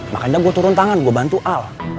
makanya gua turun tangan gua bantu al